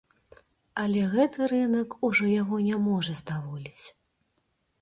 Але гэты рынак ужо яго не можа здаволіць.